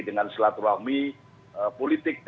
dengan silaturahmi politik